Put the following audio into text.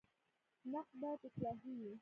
نقد باید اصلاحي وي